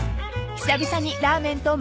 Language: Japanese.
［久々に］